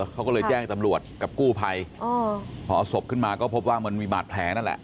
เขาก็เลยแจ้งตำรวจกับกู้ภัยพอเอาศพขึ้นมาก็พบว่ามันมีบาดแผลนั่นแหละ